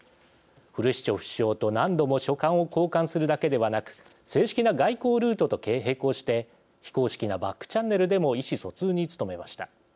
フルシチョフ首相と、何度も書簡を交換するだけではなく正式な外交ルートと並行して非公式なバックチャンネルでも意思疎通に努めました。